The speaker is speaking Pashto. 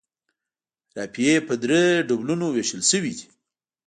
رافعې په درې ډولونو ویشل شوي دي.